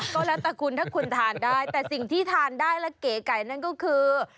ก็แล้วแต่คุณถ้าคุณทานได้แต่สิ่งที่ทานได้และเก๋ไก่นั่นก็คือ